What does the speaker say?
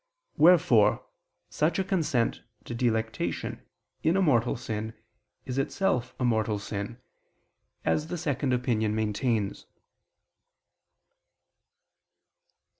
Wherefore such a consent to delectation in a mortal sin, is itself a mortal sin, as the second opinion maintains.